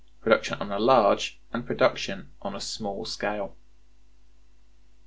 Production on a Large and Production on a Small Scale.